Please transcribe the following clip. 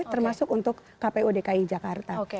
termasuk untuk kpu dki jakarta